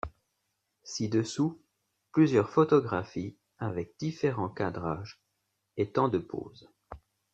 Ci-dessous, plusieurs photographies avec différents cadrages et temps de pose.